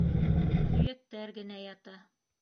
Һөйәктәр генә ята.